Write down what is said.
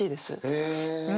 へえ。